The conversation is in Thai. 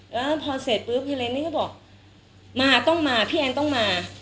แล้วพอเสร็จปุ๊บพี่เรนนี่ก็บอกมาต้องมาพี่แอนต้องมา